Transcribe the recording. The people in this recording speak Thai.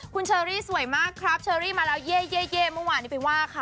คุณเชอรี่สวยมากครับเชอรี่มาแล้วเย่เมื่อวานนี้ไปว่าค่ะ